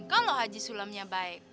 kalau haji sulamnya baik